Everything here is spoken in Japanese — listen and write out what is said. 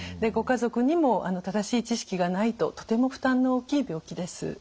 ご家族にも正しい知識がないととても負担の大きい病気です。